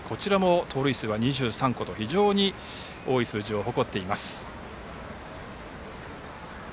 盗塁数は２３個と非常に多い数字を誇っています。